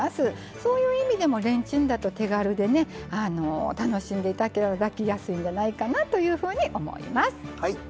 そういう意味でも、レンチンだと手軽で楽しんでいただきやすいんじゃないかなというふうに思います。